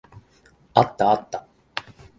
あったあった。